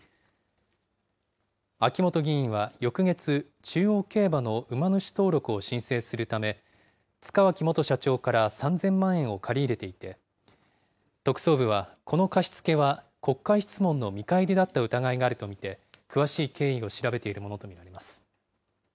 秋本議員は翌月、中央競馬の馬主登録を申請するため、塚脇元社長から３０００万円を借り入れていて、特捜部は、この貸し付けは、国会質問の見返りだった疑いがあると見て、詳しい経緯を調べているものと見られます。